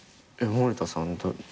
森田さん。